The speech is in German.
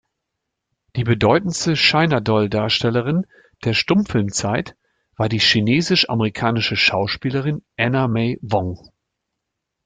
Die bedeutendste „China Doll“-Darstellerin der Stummfilmzeit war die chinesisch-amerikanische Schauspielerin Anna May Wong.